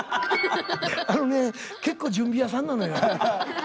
あのね結構準備屋さんなのよねえ。